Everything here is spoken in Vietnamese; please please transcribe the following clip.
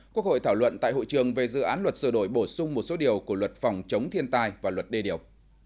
quốc hội thảo luận tại hội trường về dự án luật sửa đổi bổ sung một số điều của luật phòng chống thiên tai và luật đê điều